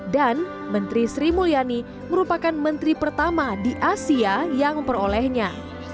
dan menteri sri mulyani merupakan menteri pertama di asia yang memperolehnya